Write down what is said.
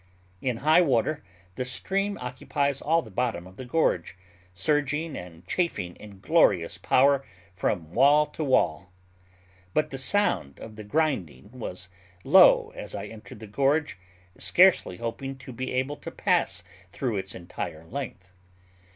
In high water, the stream occupies all the bottom of the gorge, surging and chafing in glorious power from wall to wall. But the sound of the grinding was low as I entered the gorge, scarcely hoping to be able to pass through its entire length.